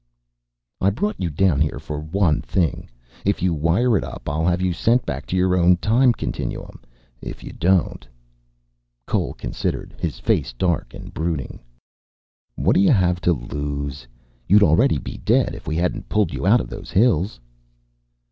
"I brought you down here for one thing. If you wire it up I'll have you sent back to your own time continuum. If you don't " Cole considered, his face dark and brooding. "What do you have to lose? You'd already be dead, if we hadn't pulled you out of those hills."